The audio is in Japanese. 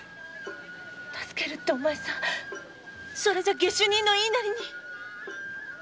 助けるってお前さんじゃ下手人の言いなりに？